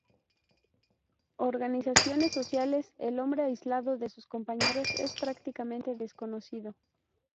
Organizaciones sociales: El hombre aislado de sus compañeros, es prácticamente desconocido.